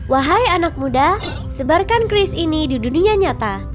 wahai anak muda sebarkan keris ini di dunia nyata